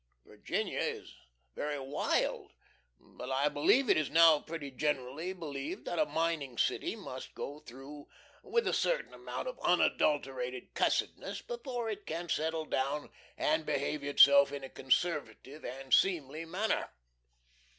Virginia is very wild, but I believe it is now pretty generally believed that a mining city must go through with a certain amount of unadulterated cussedness before it can settle down and behave itself in a conservative and seemly manner.